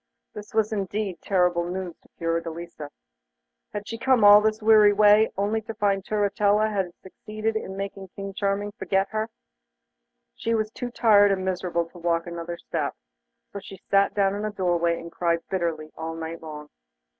This was indeed terrible news to Fiordelisa. Had she come all this weary way only to find Turritella had succeeded in making King Charming forget her? She was too tired and miserable to walk another step, so she sat down in a doorway and cried bitterly all night long.